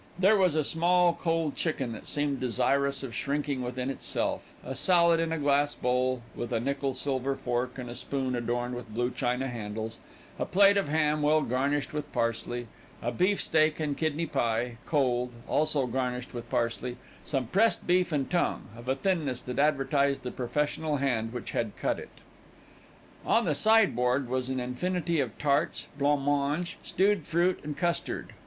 There was a small cold chicken that seemed desirous of shrinking within itself; a salad in a glass bowl, with a nickel silver fork and spoon adorned with blue china handles; a plate of ham well garnished with parsley; a beef steak and kidney pie, cold, also garnished with parsley; some pressed beef and tongue, of a thinness that advertised the professional hand which had cut it. On the sideboard was an infinity of tarts, blanc mange, stewed fruit and custard.